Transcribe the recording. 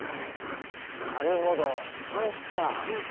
なるほど「タンス」か。